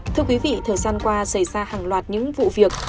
thưa quý vị thời gian qua xảy ra hàng loạt những vụ việc